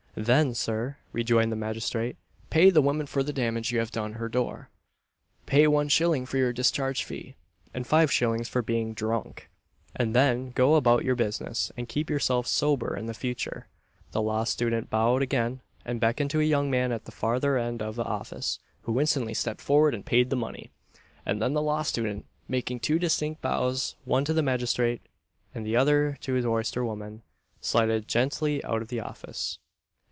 "Then, Sir," rejoined the magistrate, "pay the woman for the damage you have done her door pay one shilling for your discharge fee, and five shillings for being drunk; and then go about your business, and keep yourself sober in future." The Law Student bowed again, and beckoned to a young man at the farther end of the office, who instantly stepped forward and paid the money; and then the Law Student, making two distinct bows one to the magistrate, and the other to his oyster woman, slided genteelly out of the office.